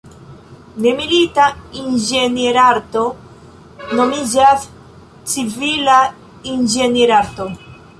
Ne-milita inĝenierarto nomiĝas civila inĝenierarto.